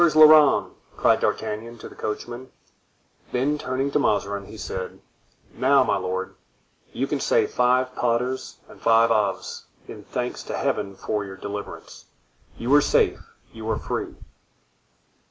"To Cours la Reine!" cried D'Artagnan to the coachman; then turning to Mazarin he said, "Now, my lord, you can say five paters and five aves, in thanks to Heaven for your deliverance. You are safe—you are free."